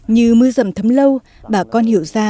như mưa rầm thấm lâu bà con hiểu ra